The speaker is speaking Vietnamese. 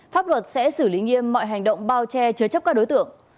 pháp luật sẽ xử lý nghiêm mọi hành động bao che chứa chấp các đối tượng